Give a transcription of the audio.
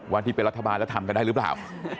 ที่เป็นรัฐบาลแล้วทำกันได้หรือเปล่า